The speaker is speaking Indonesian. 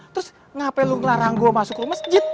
terus ngapain lu ngelarang gua masuk ke rumah masjid